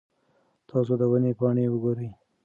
تاسو د ونې پاڼې وګورئ.